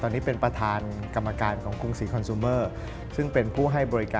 ตอนนี้เป็นประธานกรรมการของกรุงสรีคอนซูเมอร์